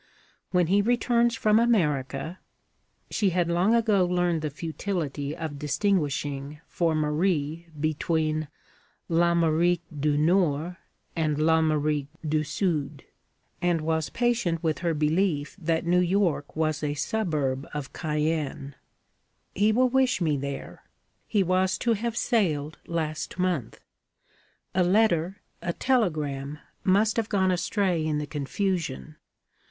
When he returns from America' (she had long ago learned the futility of distinguishing, for Marie, between 'l'Amérique du nord' and 'l'Amérique du sud'; and was patient with her belief that New York was a suburb of Cayenne) 'he will wish me there. He was to have sailed last month. A letter a telegram must have gone astray in the confusion.